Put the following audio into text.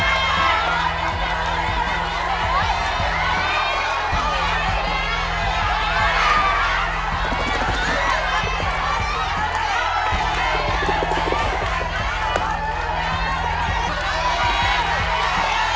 อีกร้อนนึงลูกอีกร้อนนึงปาพิก้าขย่าวเลยอย่าช้า